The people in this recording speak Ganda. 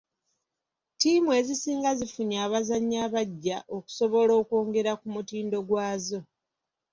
Ttiimu ezisinga zifunye abazannyi abaggya okusobola okwongera ku mutindo gwazo.